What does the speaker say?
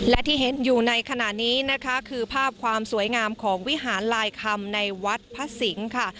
และที่เห็นอยู่ในขณะนี้นะคะคือภาพความสวยงามของวิหารลายคำในวัดพระสิงห์ค่ะ